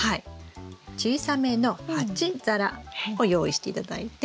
小さめの鉢皿を用意して頂いて。